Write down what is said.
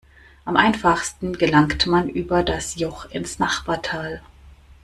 Am einfachsten gelangt man über das Joch ins Nachbartal.